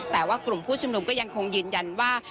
แต่ว่ากลุ่มผู้ชุมนุมก็ยังคงยืนยันว่า